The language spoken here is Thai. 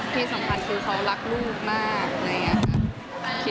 ที่สำคัญคือเขารักลูกมากนะครับ